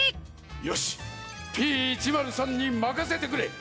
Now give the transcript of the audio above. よしＰ１０３にまかせてくれ！